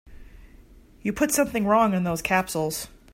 You put something wrong in those capsules.